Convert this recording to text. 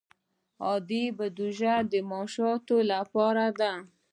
عادي بودجه د معاشاتو لپاره ده